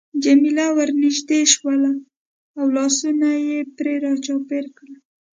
جميله ورنژدې شول او لاسونه يې پرې را چاپېره کړل.